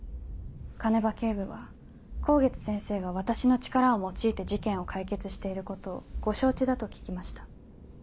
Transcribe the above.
鐘場警部は香月先生が私の力を用いて事件を解決していることをご承知だと聞きました。